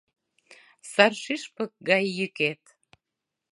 Сар шӱшпык гай йӱкет